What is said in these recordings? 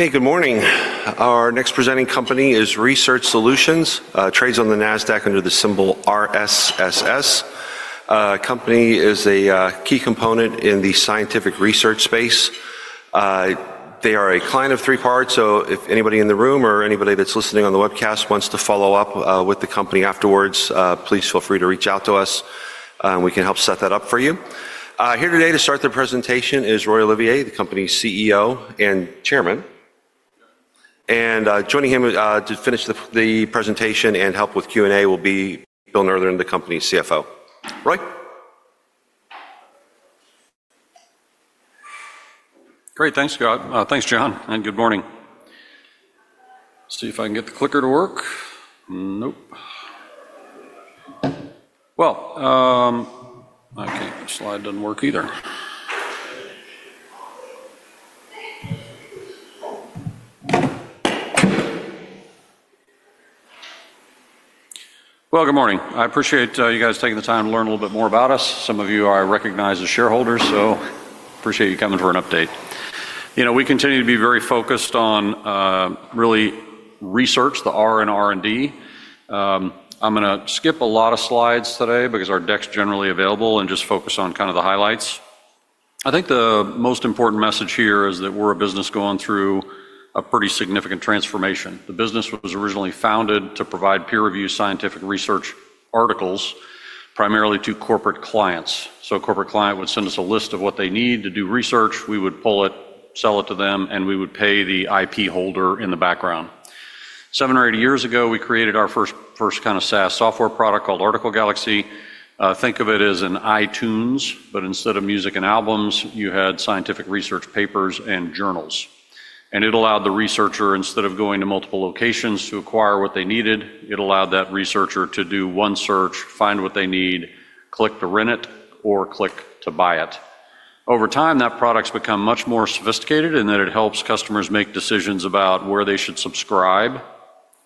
Okay, good morning. Our next presenting company is Research Solutions, trades on the Nasdaq under the symbol RSSS. Company is a key component in the scientific research space. They are a client of ThreePart, so if anybody in the room or anybody that's listening on the webcast wants to follow up with the company afterwards, please feel free to reach out to us, and we can help set that up for you. Here today to start the presentation is Roy Olivier, the company's CEO and Chairman. Joining him to finish the presentation and help with Q&A will be Bill Nurthen, the company's CFO. Roy? Great, thanks, Scott. Thanks, John, and good morning. See if I can get the clicker to work. Nope. Okay, the slide doesn't work either. Good morning. I appreciate you guys taking the time to learn a little bit more about us. Some of you are recognized as shareholders, so I appreciate you coming for an update. We continue to be very focused on really research, the R and R&D. I'm going to skip a lot of slides today because our deck's generally available and just focus on kind of the highlights. I think the most important message here is that we're a business going through a pretty significant transformation. The business was originally founded to provide peer-reviewed scientific research articles primarily to corporate clients. A corporate client would send us a list of what they need to do research, we would pull it, sell it to them, and we would pay the IP holder in the background. Seven or eight years ago, we created our first kind of SaaS software product called Article Galaxy. Think of it as an iTunes, but instead of music and albums, you had scientific research papers and journals. It allowed the researcher, instead of going to multiple locations to acquire what they needed, it allowed that researcher to do one search, find what they need, click to rent it, or click to buy it. Over time, that product's become much more sophisticated in that it helps customers make decisions about where they should subscribe,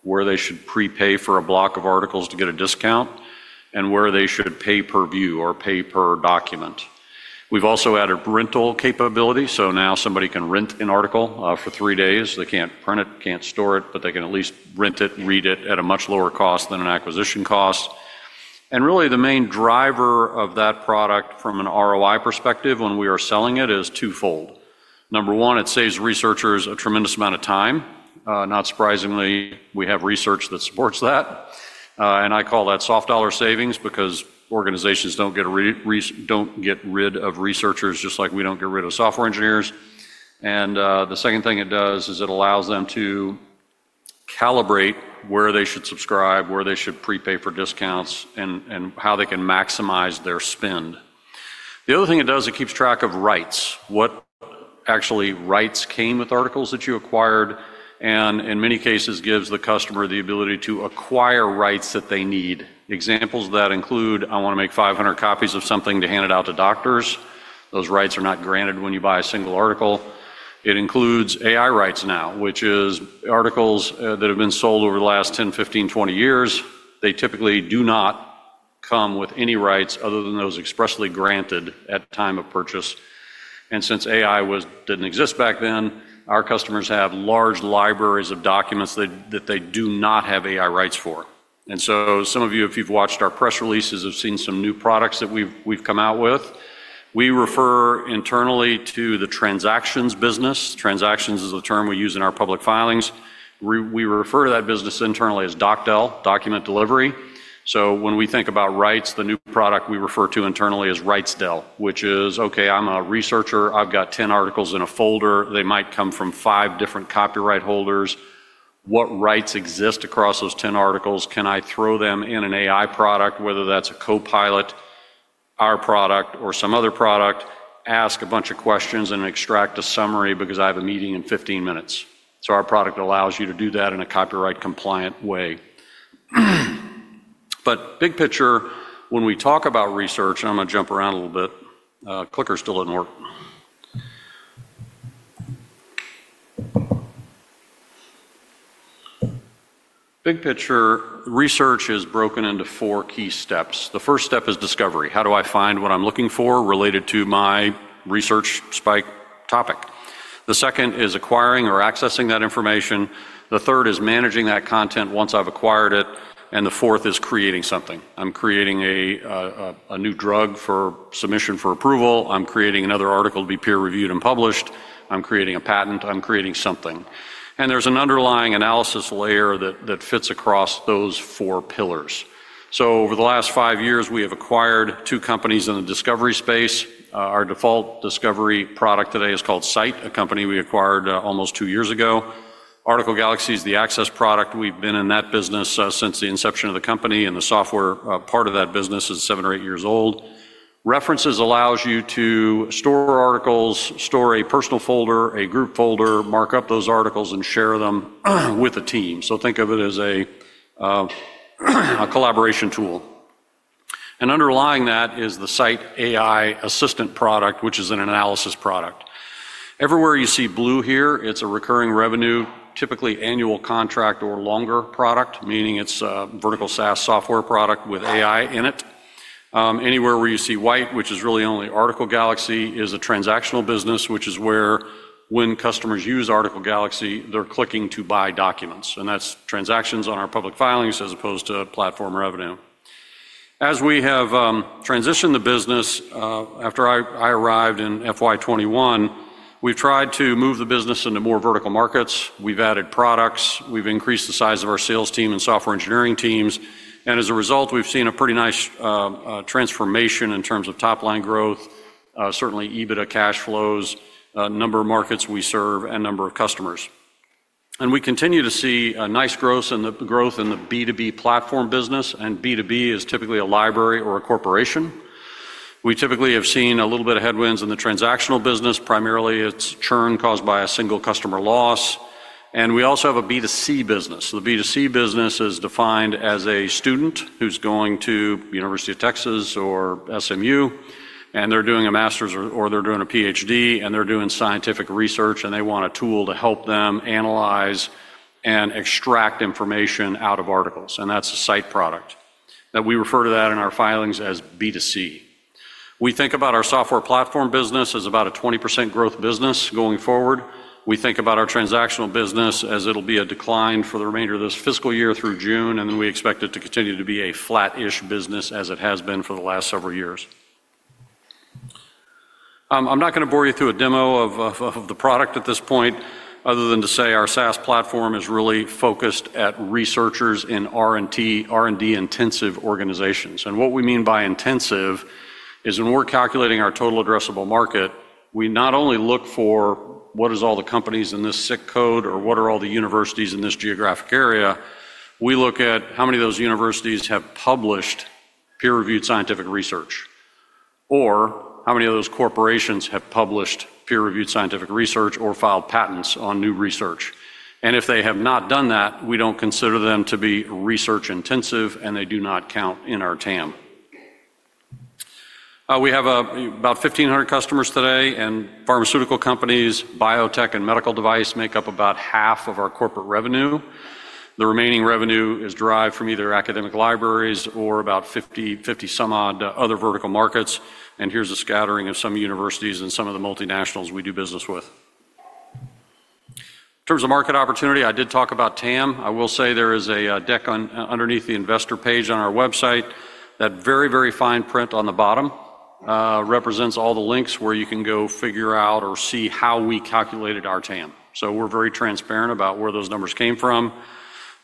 where they should prepay for a block of articles to get a discount, and where they should pay per view or pay per document. We've also added rental capability, so now somebody can rent an article for three days. They can't print it, can't store it, but they can at least rent it, read it at a much lower cost than an acquisition cost. Really, the main driver of that product from an ROI perspective when we are selling it is twofold. Number one, it saves researchers a tremendous amount of time. Not surprisingly, we have research that supports that. I call that soft dollar savings because organizations don't get rid of researchers, just like we don't get rid of software engineers. The second thing it does is it allows them to calibrate where they should subscribe, where they should prepay for discounts, and how they can maximize their spend. The other thing it does is it keeps track of rights, what actually rights came with articles that you acquired, and in many cases, gives the customer the ability to acquire rights that they need. Examples of that include I want to make 500 copies of something to hand it out to doctors. Those rights are not granted when you buy a single article. It includes AI rights now, which is articles that have been sold over the last 10, 15, 20 years. They typically do not come with any rights other than those expressly granted at the time of purchase. Since AI didn't exist back then, our customers have large libraries of documents that they do not have AI rights for. Some of you, if you've watched our press releases, have seen some new products that we've come out with. We refer internally to the transactions business. Transactions is the term we use in our public filings. We refer to that business internally as DocDel, Document Delivery. When we think about rights, the new product we refer to internally is RightsDel, which is, okay, I'm a researcher, I've got 10 articles in a folder, they might come from five different copyright holders. What rights exist across those 10 articles? Can I throw them in an AI product, whether that's a Copilot, our product, or some other product, ask a bunch of questions, and extract a summary because I have a meeting in 15 minutes? Our product allows you to do that in a copyright-compliant way. Big picture, when we talk about research, and I'm going to jump around a little bit, clicker still doesn't work. Big picture, research is broken into four key steps. The first step is discovery. How do I find what I'm looking for related to my research spike topic? The second is acquiring or accessing that information. The third is managing that content once I've acquired it. The fourth is creating something. I'm creating a new drug for submission for approval. I'm creating another article to be peer-reviewed and published. I'm creating a patent. I'm creating something. There's an underlying analysis layer that fits across those four pillars. Over the last five years, we have acquired two companies in the discovery space. Our default discovery product today is called Scite, a company we acquired almost two years ago. Article Galaxy is the access product. We've been in that business since the inception of the company, and the software part of that business is seven or eight years old. References allows you to store articles, store a personal folder, a group folder, mark up those articles, and share them with a team. Think of it as a collaboration tool. Underlying that is the Scite AI Assistant product, which is an analysis product. Everywhere you see blue here, it's a recurring revenue, typically annual contract or longer product, meaning it's a vertical SaaS software product with AI in it. Anywhere where you see white, which is really only Article Galaxy, is a transactional business, which is where, when customers use Article Galaxy, they're clicking to buy documents. That's transactions on our public filings as opposed to platform revenue. As we have transitioned the business, after I arrived in FY2021, we've tried to move the business into more vertical markets. We've added products. We've increased the size of our sales team and software engineering teams. As a result, we've seen a pretty nice transformation in terms of top-line growth, certainly EBITDA cash flows, number of markets we serve, and number of customers. We continue to see nice growth in the B2B platform business, and B2B is typically a library or a corporation. We typically have seen a little bit of headwinds in the transactional business, primarily it's churn caused by a single customer loss. We also have a B2C business. The B2C business is defined as a student who's going to the University of Texas or SMU, and they're doing a master's or they're doing a PhD, and they're doing scientific research, and they want a tool to help them analyze and extract information out of articles. And that's a Scite product. We refer to that in our filings as B2C. We think about our software platform business as about a 20% growth business going forward. We think about our transactional business as it'll be a decline for the remainder of this fiscal year through June, and then we expect it to continue to be a flat-ish business as it has been for the last several years. I'm not going to bore you through a demo of the product at this point, other than to say our SaaS platform is really focused at researchers in R&D-intensive organizations. What we mean by intensive is when we're calculating our total addressable market, we not only look for what is all the companies in this SIC code or what are all the universities in this geographic area, we look at how many of those universities have published peer-reviewed scientific research, or how many of those corporations have published peer-reviewed scientific research or filed patents on new research. If they have not done that, we don't consider them to be research-intensive, and they do not count in our TAM. We have about 1,500 customers today, and pharmaceutical companies, biotech, and medical device make up about half of our corporate revenue. The remaining revenue is derived from either academic libraries or about 50-some odd other vertical markets. Here's a scattering of some universities and some of the multinationals we do business with. In terms of market opportunity, I did talk about TAM. I will say there is a deck underneath the investor page on our website that very, very fine print on the bottom represents all the links where you can go figure out or see how we calculated our TAM. We are very transparent about where those numbers came from.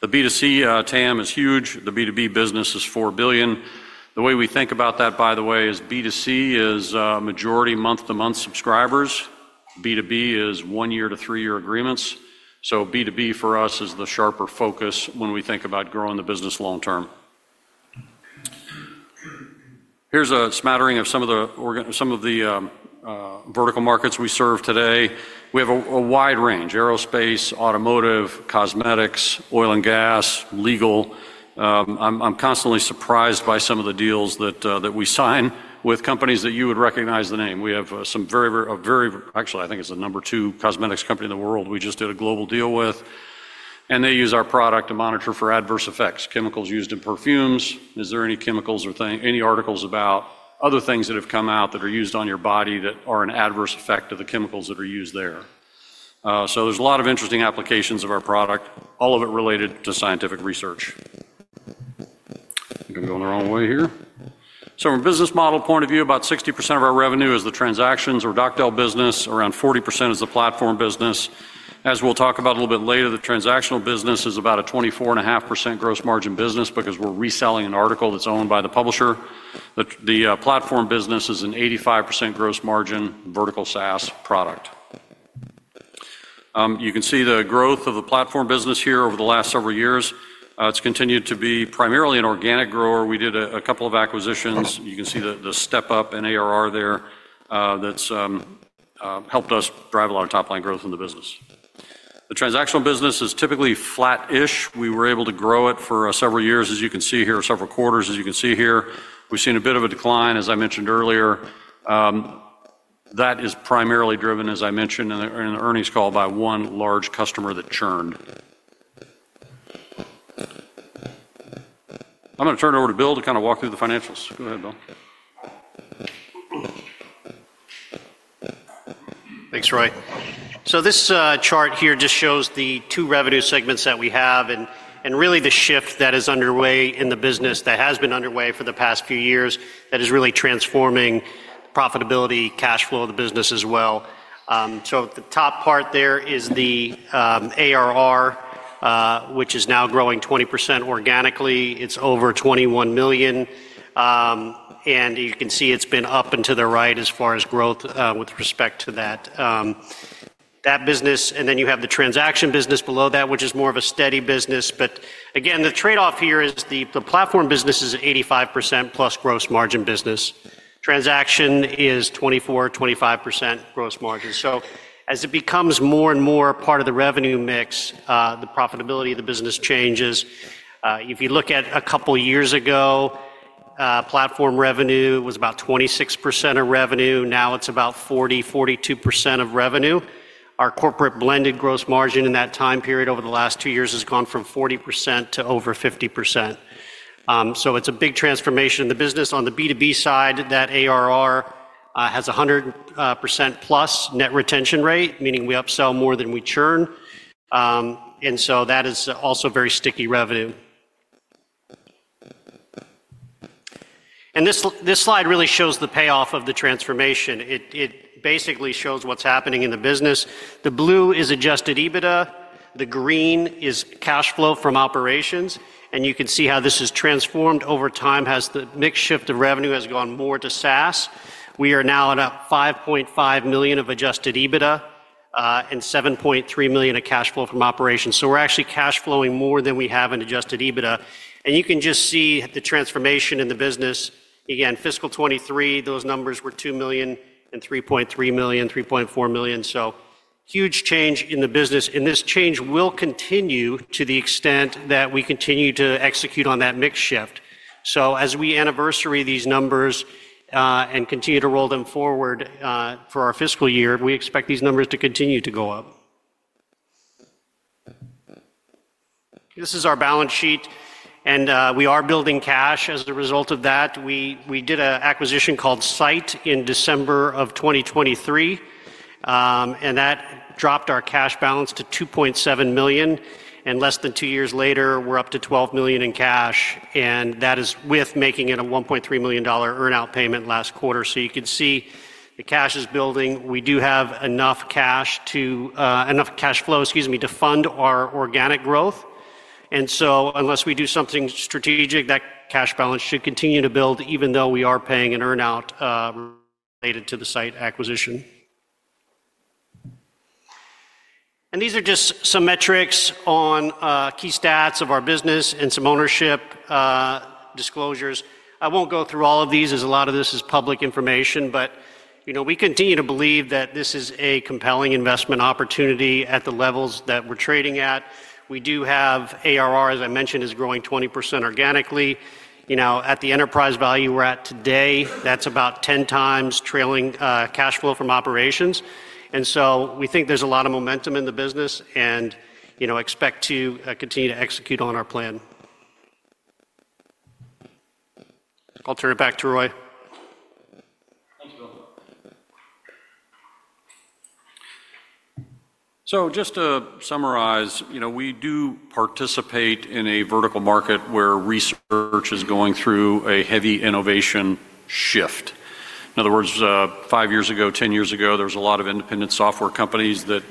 The B2C TAM is huge. The B2B business is $4 billion. The way we think about that, by the way, is B2C is majority month-to-month subscribers. B2B is one-year to three-year agreements. B2B for us is the sharper focus when we think about growing the business long-term. Here is a smattering of some of the vertical markets we serve today. We have a wide range: aerospace, automotive, cosmetics, oil and gas, legal. I am constantly surprised by some of the deals that we sign with companies that you would recognize the name. We have some very, very—actually, I think it's the number two cosmetics company in the world, we just did a global deal with. They use our product to monitor for adverse effects: chemicals used in perfumes. Is there any chemicals or any articles about other things that have come out that are used on your body that are an adverse effect of the chemicals that are used there? There is a lot of interesting applications of our product, all of it related to scientific research. I'm going to go in the wrong way here. From a business model point of view, about 60% of our revenue is the transactions or DocDel business. Around 40% is the platform business. As we'll talk about a little bit later, the transactional business is about a 24.5% gross margin business because we're reselling an article that's owned by the publisher. The platform business is an 85% gross margin vertical SaaS product. You can see the growth of the platform business here over the last several years. It's continued to be primarily an organic grower. We did a couple of acquisitions. You can see the step-up in ARR there that's helped us drive a lot of top-line growth in the business. The transactional business is typically flat-ish. We were able to grow it for several years, as you can see here, several quarters, as you can see here. We've seen a bit of a decline, as I mentioned earlier. That is primarily driven, as I mentioned in the earnings call, by one large customer that churned. I'm going to turn it over to Bill to kind of walk through the financials. Go ahead, Bill. Thanks, Roy. This chart here just shows the two revenue segments that we have, and really the shift that is underway in the business that has been underway for the past few years, that is really transforming profitability, cash flow of the business as well. The top part there is the ARR, which is now growing 20% organically. It is over $21 million. You can see it has been up and to the right as far as growth with respect to that business. Then you have the transaction business below that, which is more of a steady business. Again, the trade-off here is the platform business is an 85% plus gross margin business. Transaction is 24%-25% gross margin. As it becomes more and more part of the revenue mix, the profitability of the business changes. If you look at a couple of years ago, platform revenue was about 26% of revenue. Now it's about 40%-42% of revenue. Our corporate blended gross margin in that time period over the last two years has gone from 40% to over 50%. It is a big transformation in the business. On the B2B side, that ARR has a 100% plus net retention rate, meaning we upsell more than we churn. That is also very sticky revenue. This slide really shows the payoff of the transformation. It basically shows what's happening in the business. The blue is adjusted EBITDA. The green is cash flow from operations. You can see how this has transformed over time. The mix shift of revenue has gone more to SaaS. We are now at $5.5 million of adjusted EBITDA and $7.3 million of cash flow from operations. We're actually cash flowing more than we have in adjusted EBITDA. You can just see the transformation in the business. Again, fiscal 2023, those numbers were $2 million and $3.3 million, $3.4 million. Huge change in the business. This change will continue to the extent that we continue to execute on that mix shift. As we anniversary these numbers and continue to roll them forward for our fiscal year, we expect these numbers to continue to go up. This is our balance sheet. We are building cash as a result of that. We did an acquisition called Scite in December of 2023. That dropped our cash balance to $2.7 million. Less than two years later, we're up to $12 million in cash. That is with making a $1.3 million earnout payment last quarter. You can see the cash is building. We do have enough cash flow, excuse me, to fund our organic growth. Unless we do something strategic, that cash balance should continue to build, even though we are paying an earnout related to the Scite acquisition. These are just some metrics on key stats of our business and some ownership disclosures. I won't go through all of these, as a lot of this is public information. We continue to believe that this is a compelling investment opportunity at the levels that we're trading at. We do have ARR, as I mentioned, is growing 20% organically. At the enterprise value we're at today, that's about 10 times trailing cash flow from operations. We think there's a lot of momentum in the business and expect to continue to execute on our plan. I'll turn it back to Roy. Thank you, Bill. Just to summarize, we do participate in a vertical market where research is going through a heavy innovation shift. In other words, five years ago, 10 years ago, there was a lot of independent software companies that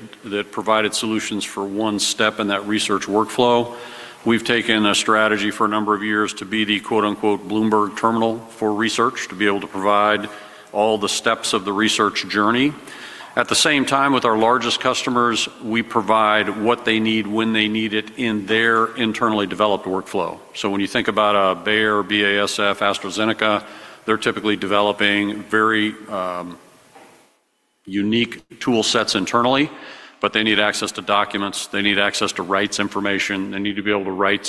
provided solutions for one step in that research workflow. We've taken a strategy for a number of years to be the "Bloomberg terminal" for research to be able to provide all the steps of the research journey. At the same time, with our largest customers, we provide what they need when they need it in their internally developed workflow. When you think about a Bayer, BASF, AstraZeneca, they're typically developing very unique tool sets internally, but they need access to documents. They need access to rights information. They need to be able to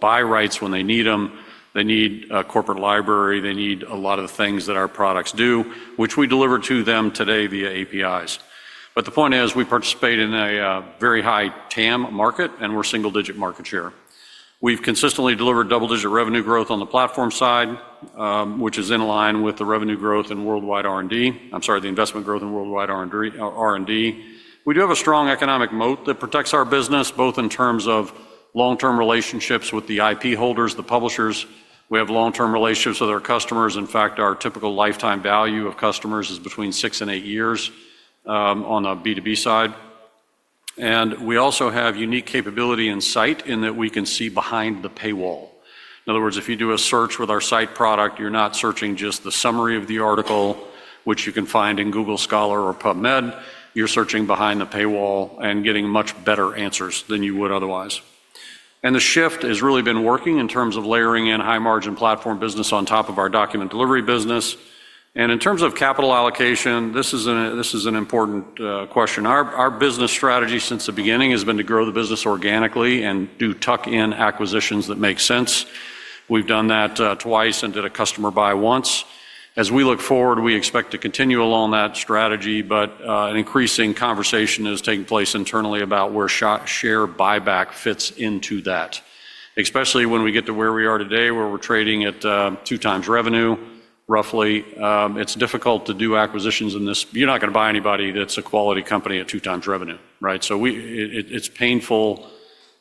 buy rights when they need them. They need a corporate library. They need a lot of the things that our products do, which we deliver to them today via APIs. The point is we participate in a very high TAM market, and we're single-digit market share. We've consistently delivered double-digit revenue growth on the platform side, which is in line with the revenue growth in worldwide R&D. I'm sorry, the investment growth in worldwide R&D. We do have a strong economic moat that protects our business, both in terms of long-term relationships with the IP holders, the publishers. We have long-term relationships with our customers. In fact, our typical lifetime value of customers is between six and eight years on the B2B side. We also have unique capability in Scite in that we can see behind the paywall. In other words, if you do a search with our Scite product, you're not searching just the summary of the article, which you can find in Google Scholar or PubMed. You're searching behind the paywall and getting much better answers than you would otherwise. The shift has really been working in terms of layering in high-margin platform business on top of our document delivery business. In terms of capital allocation, this is an important question. Our business strategy since the beginning has been to grow the business organically and do tuck-in acquisitions that make sense. We've done that twice, and did a customer buy once. As we look forward, we expect to continue along that strategy. An increasing conversation is taking place internally about where share buyback fits into that, especially when we get to where we are today, where we're trading at two times revenue, roughly. It's difficult to do acquisitions in this. You're not going to buy anybody that's a quality company at two times revenue, right? It's painful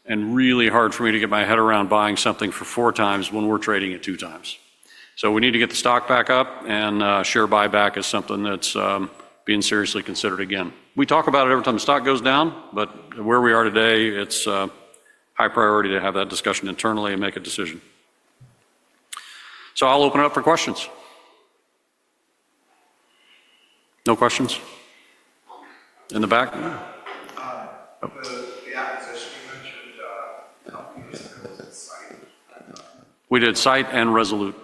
and really hard for me to get my head around buying something for four times when we're trading at two times. We need to get the stock back up, and share buyback is something that's being seriously considered again. We talk about it every time the stock goes down. Where we are today, it's a high priority to have that discussion internally and make a decision. I'll open it up for questions. No questions? In the back? The acquisition you mentioned, we did Scite and Resolute.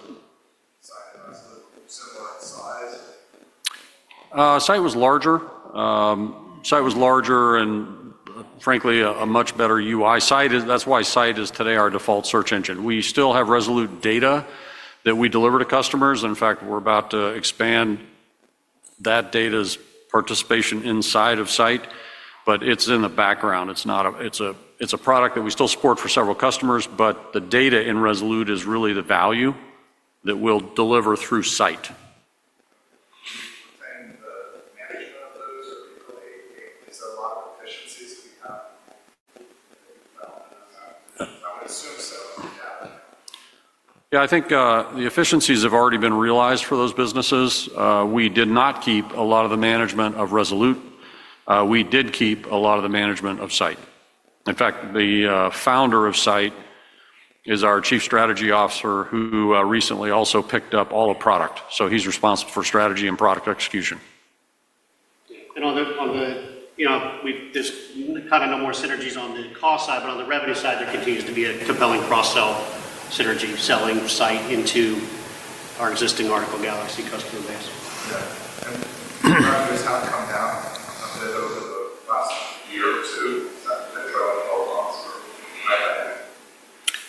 Similar in size? Scite was larger. Scite was larger and, frankly, a much better UI. That's why Scite is today our default search engine. We still have Resolute data that we deliver to customers. In fact, we're about to expand that data's participation inside of Scite, but it's in the background. It's a product that we still support for several customers, but the data in Resolute is really the value that we'll deliver through Scite. is there a lot of efficiencies. I would assume so. Yeah, I think the efficiencies have already been realized for those businesses. We did not keep a lot of the management of Resolute. We did keep a lot of the management of Scite. In fact, the founder of Scite is our Chief Strategy Officer, who recently also picked up all the product. So he's responsible for strategy and product execution. We've just kind of no more synergies on the cost side, but on the revenue side, there continues to be a compelling cross-sell synergy selling Scite into our existing Article Galaxy customer base.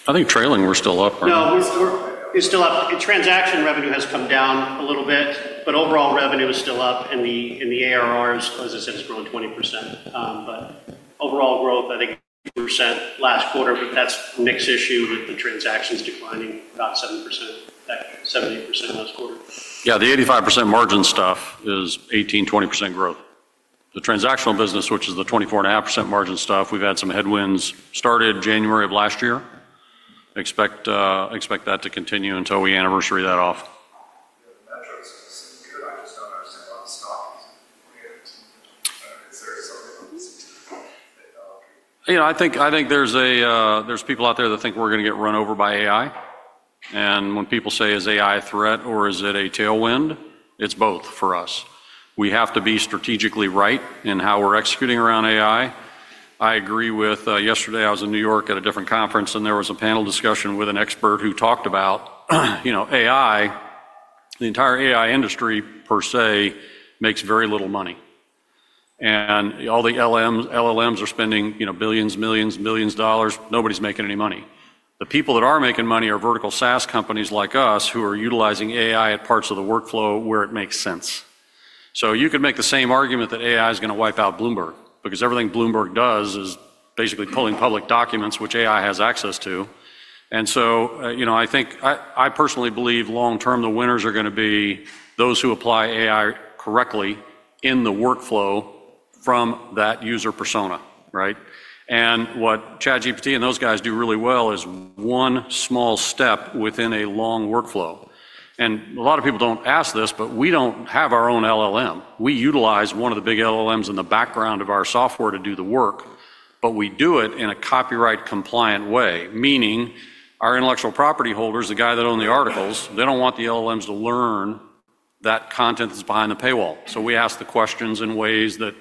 I think trailing we're still up. No, we're still up. Transaction revenue has come down a little bit, but overall revenue is still up. The ARR, as I said, has grown 20%. Overall growth, I think, 2% last quarter, but that's a mixed issue with the transactions declining about 7%, 78% last quarter. The 85% margin stuff is 18%-20% growth. The transactional business, which is the 24.5% margin stuff, we've had some headwinds started January of last year. Expect that to continue until we anniversary that off. I just don't understand why the stock I think there's people out there that think we're going to get run over by AI. When people say, "Is AI a threat or is it a tailwind?" it's both for us. We have to be strategically right in how we're executing around AI. I agree with—yesterday I was in New York, at a different conference, and there was a panel discussion with an expert who talked about AI. The entire AI industry, per se, makes very little money. All the LLMs are spending billions, millions, millions of dollars. Nobody's making any money. The people that are making money are vertical SaaS companies like us, who are utilizing AI at parts of the workflow where it makes sense. You could make the same argument that AI is going to wipe out Bloomberg because everything Bloomberg does is basically pulling public documents, which AI has access to. I think I personally believe long term, the winners are going to be those who apply AI correctly in the workflow from that user persona, right? What ChatGPT and those guys do really well is one small step within a long workflow. A lot of people do not ask this, but we do not have our own LLM. We utilize one of the big LLMs in the background of our software to do the work, but we do it in a copyright-compliant way. Meaning our intellectual property holders, the guy that owned the articles, they do not want the LLMs to learn that content that is behind the paywall. We ask the questions in ways that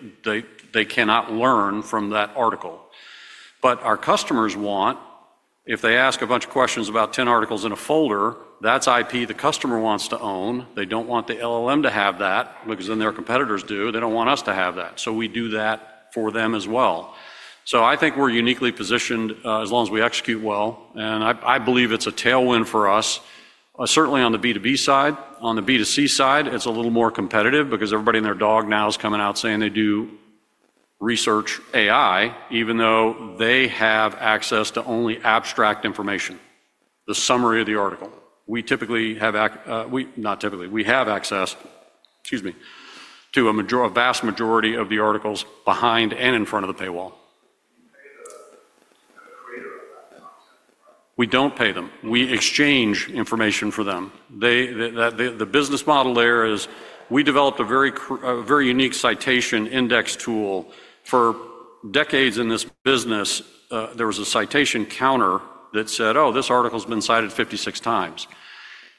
they cannot learn from that article. Our customers want, if they ask a bunch of questions about 10 articles in a folder, that's IP the customer wants to own. They don't want the LLM to have that because then their competitors do. They don't want us to have that. We do that for them as well. I think we're uniquely positioned as long as we execute well. I believe it's a tailwind for us, certainly on the B2B side. On the B2C side, it's a little more competitive because everybody and their dog now is coming out saying they do research AI, even though they have access to only abstract information, the summary of the article. We typically have—not typically, we have access, excuse me, to a vast majority of the articles behind and in front of the paywall. You pay the creator of that content, right? We do not pay them. We exchange information for them. The business model there is we developed a very unique citation index tool. For decades in this business, there was a citation counter that said, "Oh, this article has been cited 56 times."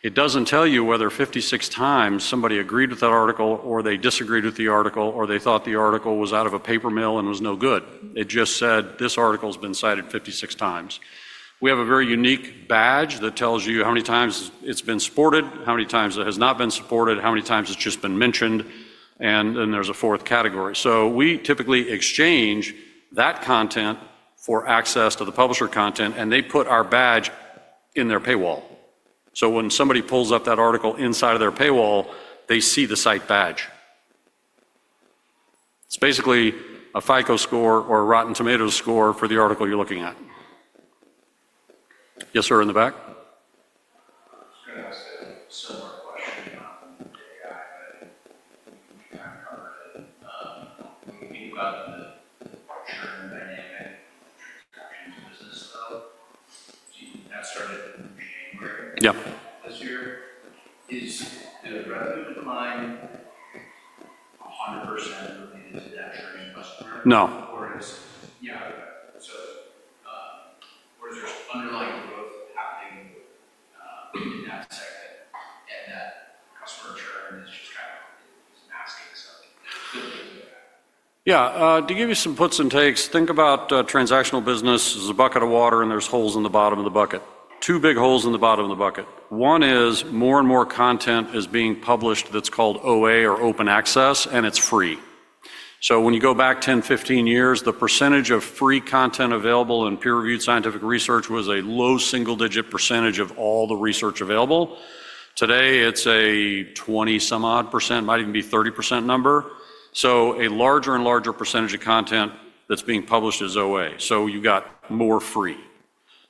It does not tell you whether 56 times somebody agreed with that article, or they disagreed with the article, or they thought the article was out of a paper mill and was no good. It just said, "This article has been cited 56 times." We have a very unique badge that tells you how many times it has been supported, how many times it has not been supported, how many times it has just been mentioned. There is a fourth category. We typically exchange that content for access to the publisher content, and they put our badge in their paywall. When somebody pulls up that article inside of their paywall, they see the Scite badge. It is basically a FICO score or a Rotten Tomatoes score for the article you are looking at. Yes, sir, in the back? Yep. This year. Is the revenue decline 100%? No. Yeah. To give you some puts and takes, think about transactional business as a bucket of water and there's holes in the bottom of the bucket. Two big holes in the bottom of the bucket. One is more and more content is being published, that's called OA or open access, and it's free. You go back 10 years, 15 years, the percentage of free content available in peer-reviewed scientific research was a low single-digit percentage of all the research available. Today, it's a 20-some-odd % number, might even be 30%. A larger and larger percentage of content that's being published is OA. You've got more free.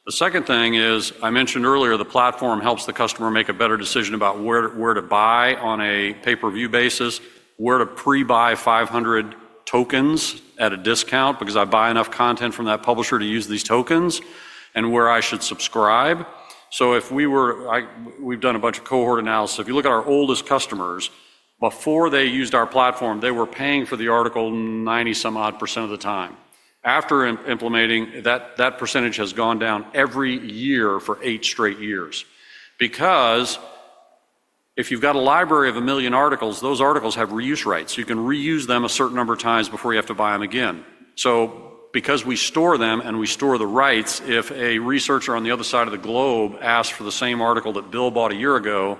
The second thing is, I mentioned earlier, the platform helps the customer make a better decision about where to buy on a pay-per-view basis, where to pre-buy 500 tokens at a discount because I buy enough content from that publisher to use these tokens, and where I should subscribe. If we were—we've done a bunch of cohort analysis. If you look at our oldest customers, before they used our platform, they were paying for the article 90-some-odd % of the time. After implementing, that percentage has gone down every year for eight straight years. Because if you've got a library of a million articles, those articles have reuse rights. You can reuse them a certain number of times before you have to buy them again. Because we store them and we store the rights, if a researcher on the other side of the globe asks for the same article that Bill bought a year ago,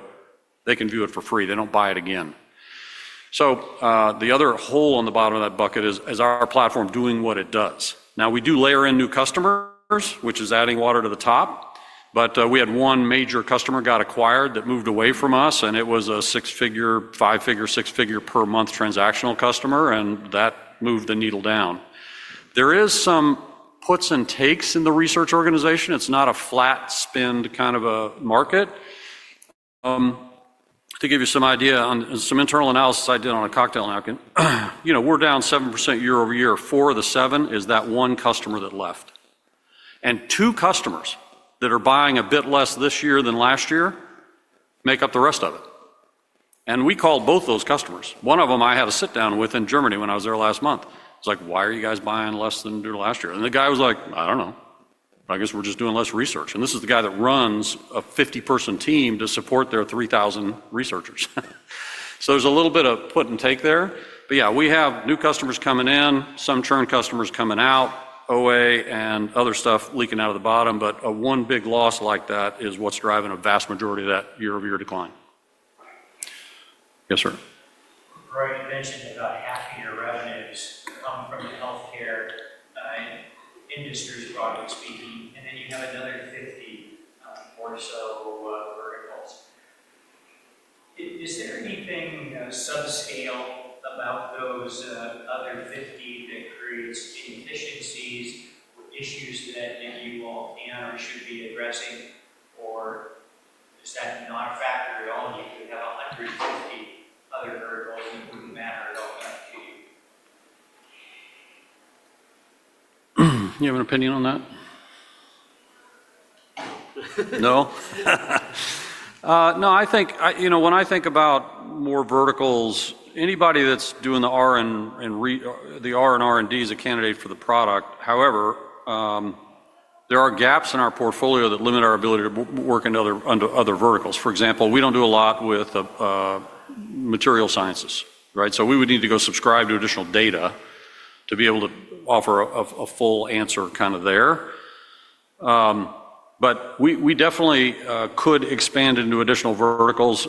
they can view it for free. They do not buy it again. The other hole on the bottom of that bucket is our platform doing what it does. We do layer in new customers, which is adding water to the top. We had one major customer got acquired that moved away from us, and it was a six-figure, five-figure, six-figure per month transactional customer, and that moved the needle down. There are some puts and takes in the research organization. It is not a flat-spend kind of a market. To give you some idea, some internal analysis I did on a cocktail now, we are down 7% year-over-year. Four of the seven is that one customer that left. Two customers that are buying a bit less this year than last year make up the rest of it. We call both those customers. One of them I had a sit-down with in Germany when I was there last month. I was like, "Why are you guys buying less than last year?" The guy was like, "I don't know. I guess we're just doing less research." This is the guy that runs a 50-person team to support their 3,000 researchers. There's a little bit of put and take there. We have new customers coming in, some churn customers coming out, OA and other stuff leaking out of the bottom. A one big loss like that is what's driving a vast majority of that year-over-year decline. Yes, sir. We've already mentioned about half of your revenues come from the healthcare industry, broadly speaking. Then you have another 50 or so verticals. Is there anything subscale about those other 50 that creates inefficiencies or issues that you all can or should be addressing? Is that not a factor at all? You could have 150 other verticals that wouldn't matter. You have an opinion on that? No? No, I think when I think about more verticals, anybody that's doing the R and R&D is a candidate for the product. However, there are gaps in our portfolio that limit our ability to work into other verticals. For example, we don't do a lot with material sciences, right? We would need to go subscribe to additional data to be able to offer a full answer, kind of there. We definitely could expand into additional verticals.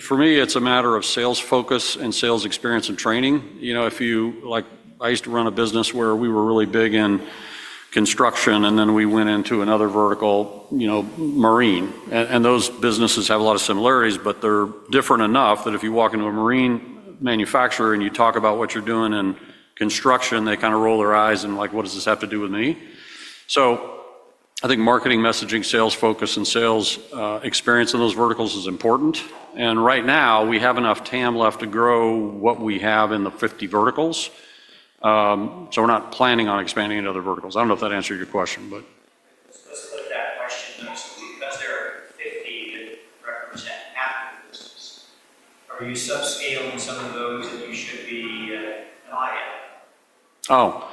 For me, it's a matter of sales focus and sales experience, and training. I used to run a business where we were really big in construction, and then we went into another vertical, marine. Those businesses have a lot of similarities, but they're different enough that if you walk into a marine manufacturer and you talk about what you're doing in construction, they kind of roll their eyes and like, "What does this have to do with me?" I think marketing, messaging, sales focus, and sales experience in those verticals is important. Right now, we have enough TAM left to grow what we have in the 50 verticals. We're not planning on expanding into other verticals. I don't know if that answered your question, but let's put that question next to it. Because there are 50 that represent, are you subscaling some of those that you should be buying? Oh.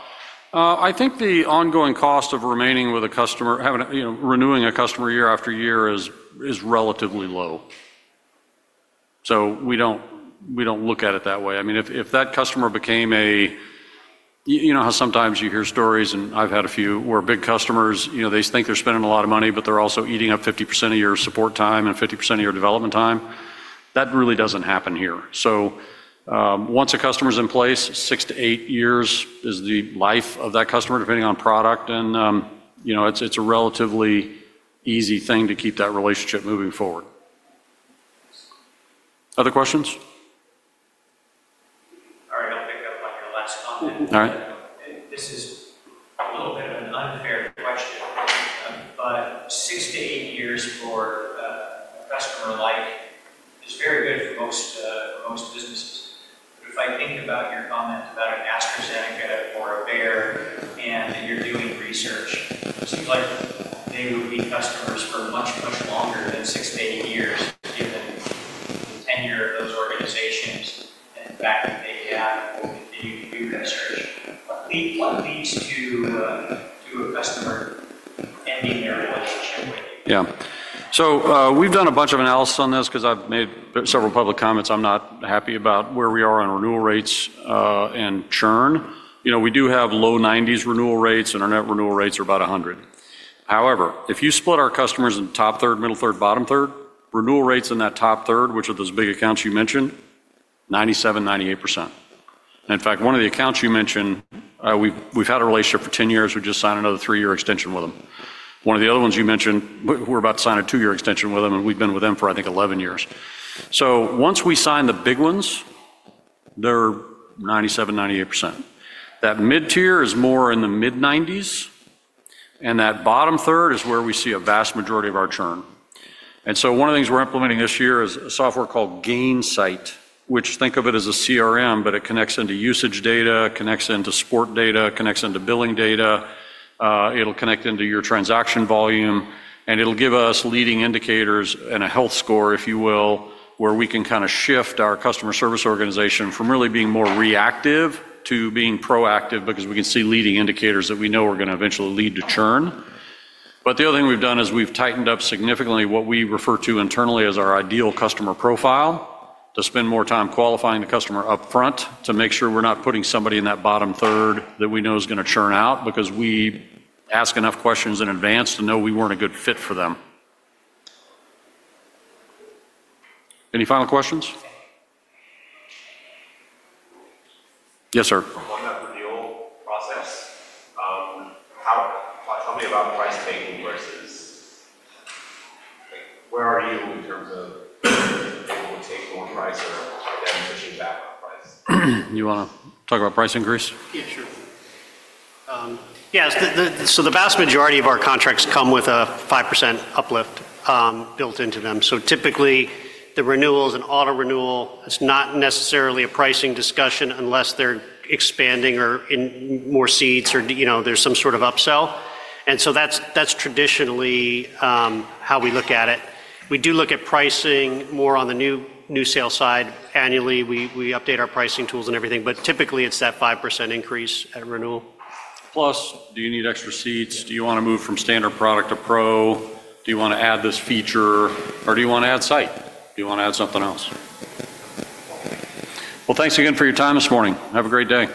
I think the ongoing cost of remaining with a customer, renewing a customer year after year, is relatively low. We do not look at it that way. I mean, if that customer became a—you know how sometimes you hear stories, and I have had a few—where big customers, they think they are spending a lot of money, but they are also eating up 50% of your support time and 50% of your development time. That really does not happen here. Once a customer is in place, six to eight years is the life of that customer, depending on product. It is a relatively easy thing to keep that relationship moving forward. Other questions? All right. I will pick up on your last comment. All right. This is a little bit of an unfair question, but six to eight years for a customer, like it's very good for most businesses. If I think about your comment about an AstraZeneca or a Bayer and you're doing research, it seems like they would be customers for much, much longer than six to eight years, given the tenure of those organizations and the fact that. What leads to a customer? Yeah. We have done a bunch of analysis on this because I have made several public comments. I'm not happy about where we are on renewal rates and churn. We do have low 90% renewal rates, and our net renewal rates are about 100%. However, if you split our customers into top third, middle third, bottom third, renewal rates in that top third, which are those big accounts you mentioned, 97%-98%. In fact, one of the accounts you mentioned, we've had a relationship for 10 years. We just signed another three-year extension with them. One of the other ones you mentioned, we're about to sign a two-year extension with them, and we've been with them for, I think, 11 years. Once we sign the big ones, they're 97%-98%. That mid-tier is more in the mid-90%, and that bottom third is where we see a vast majority of our churn. One of the things we're implementing this year is a software called Gainsight, which, think of it as a CRM, but it connects into usage data, connects into support data, connects into billing data. It'll connect into your transaction volume, and it'll give us leading indicators and a health score, if you will, where we can kind of shift our customer service organization from really being more reactive to being proactive because we can see leading indicators that we know are going to eventually lead to churn. The other thing we've done is we've tightened up significantly what we refer to internally as our ideal customer profile to spend more time qualifying the customer upfront to make sure we're not putting somebody in that bottom third that we know is going to churn out because we ask enough questions in advance to know we weren't a good fit for them. Any final questions? Yes, sir. On that renewal process, tell me about price taking You want to talk about price increase? Yeah, sure. Yeah. The vast majority of our contracts come with a 5% uplift built into them. Typically, the renewal is an auto-renewal. It's not necessarily a pricing discussion unless they're expanding or in more seats or there's some sort of upsell. That's traditionally how we look at it. We do look at pricing more on the new sale side. Annually, we update our pricing tools and everything. Typically, it's that 5% increase at renewal. Plus, do you need extra seats? Do you want to move from standard product to pro? Do you want to add this feature? Do you want to add Scite? Do you want to add something else? Thanks again for your time this morning. Have a great day.